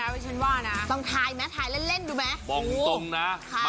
พวกคุณจะทายถูกไหมล่ะ